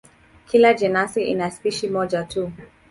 Kila jenasi ina spishi moja tu.